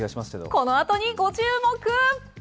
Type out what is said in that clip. このあとにご注目。